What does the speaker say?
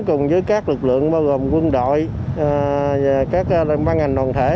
cùng với các lực lượng bao gồm quân đội và các văn hành đoàn thể